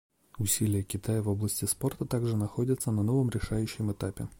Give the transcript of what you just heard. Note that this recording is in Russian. Усилия Китая в области спорта также находятся на новом решающем этапе.